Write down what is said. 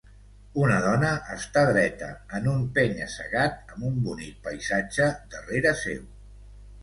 Una dona està dreta en un penya-segat amb un bonic paisatge darrere seu.